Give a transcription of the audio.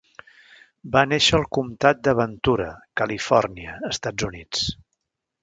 Va néixer al comtat de Ventura, Califòrnia, Estats Units.